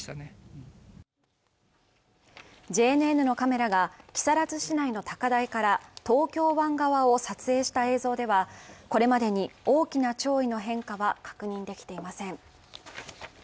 ＪＮＮのカメラが木更津市内の高台から東京湾側を撮影した映像では、これまでに大きな潮位の変化は確認できていません。